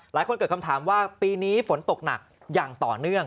หลายคนเกิดคำถามว่าปีนี้ฝนตกหนักอย่างต่อเนื่อง